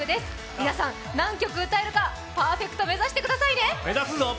皆さん、何曲歌えるかパーフェクト目指してくださいね。